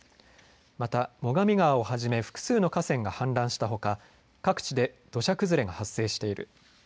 また最上川をはじめ複数の河川が氾濫したほか各地で土砂崩れが発生している。